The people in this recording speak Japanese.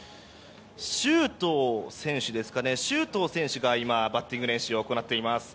周東選手が今、バッティング練習を行っています。